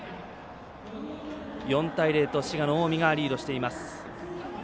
４対０と滋賀の近江がリードしています。